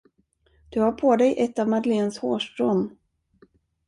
Du har på dig ett av Madeleines hårstrån.